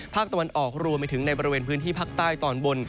ภาคตะวันออกรวมไปถึงในบริเวณพื้นที่ภาคใต้ตอนบน